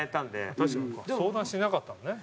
相談しなかったのね。